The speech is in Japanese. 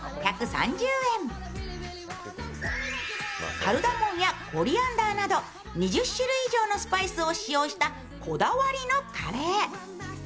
カルダモンやコリアンダーなど、２０種類以上のスパイスを使用したこだわりのカレー。